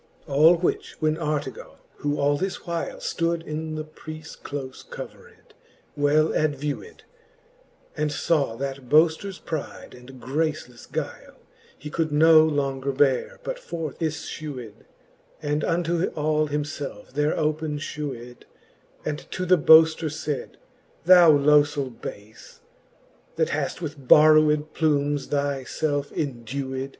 All which when Artegall^ who all this while Stood in the preafie clofe covered, well advewed, And (aw that boafters pride and gracelefle guile, He could no longer beare, but forth iffewed, And unto all himielfe there open fhewed, And to the boafter faid , Thou lofell bafe, That haft with borrowed plumes thy felfe endewed.